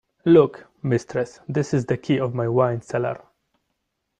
Look, mistress, this is the key of my wine-cellar.